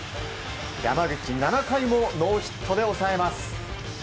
山口、７回もノーヒットで抑えます。